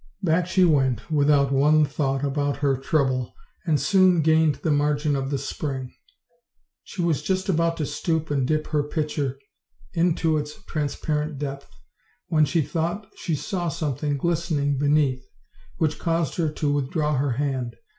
Back she went, without one thought about her trouble, and soon gained the margin of the spring. She was just about to stoop and dip her pitcher into its transparent depth, when she thought she saw something glistening beneath, which caused her to withdraw her hand.